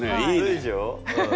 いいでしょ？